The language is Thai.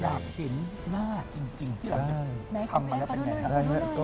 อยากเห็นหน้าจริงที่เราจะทำมาแล้วเป็นไงครับ